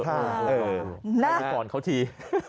อันนี้ก่อนเขาที